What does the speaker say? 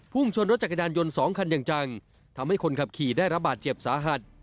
ชนรถจักรยานยนต์สองคันอย่างจังทำให้คนขับขี่ได้รับบาดเจ็บสาหัส